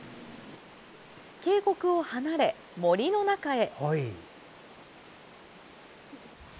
渓谷を離れ、森の中へ。